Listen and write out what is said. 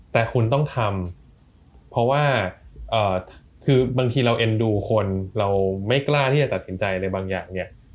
แต่คุณต้องทำเพราะว่าคือบางทีเราเอ็นดูคนเราไม่กล้าที่จะตัดสินใจอะไรบางอย่างเนี่ย